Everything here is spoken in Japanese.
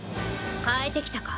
代えてきたか。